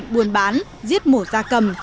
buôn bán giết mổ gia cầm